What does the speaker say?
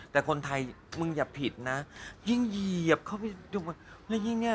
แต่คนไทยมึงอย่าผิดนะยิ่งเหยียบเข้าไปดูแล้วยิ่งเนี้ย